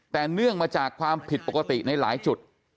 แต่เนื่องมาจากความผิดปกติในหลายจุด